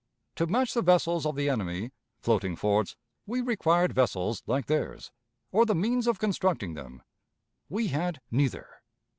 To match the vessels of the enemy (floating forts) we required vessels like theirs, or the means of constructing them. We had neither.